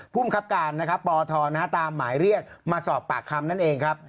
ภูมิครับการนะครับปทตามหมายเรียกมาสอบปากคำนั่นเองครับ